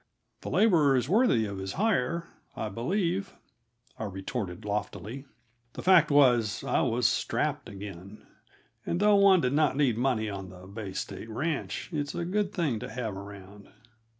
'The laborer is worthy of his hire,' I believe," I retorted loftily. The fact was, I was strapped again and, though one did not need money on the Bay State Ranch, it's a good thing to have around.